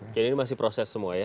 jadi ini masih proses semua ya